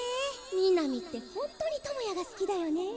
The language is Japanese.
みなみってホントに智也が好きだよね。